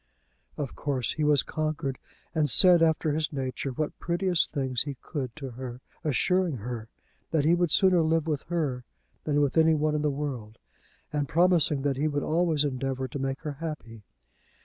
Of course he was conquered, and said, after his nature, what prettiest things he could to her, assuring her that he would sooner live with her than with any one in the world, and promising that he would always endeavour to make her happy.